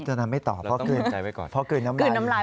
คุณคุปตนานไม่ตอบเพราะเกลือน้ำลาย